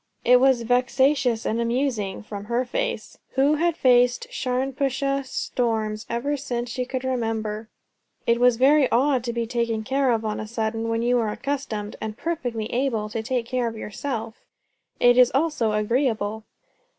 It was vexatious and amusing. From her face! who had faced Sharnpuashuh storms ever since she could remember. It is very odd to be taken care of on a sudden, when you are accustomed, and perfectly able, to take care of your self. It is also agreeable.